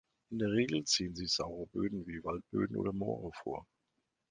In der Regel ziehen sie saure Böden wie Waldböden oder Moore vor.